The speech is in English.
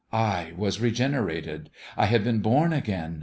I was re generated : I had been ' born again.'